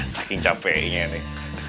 saking capeknya nek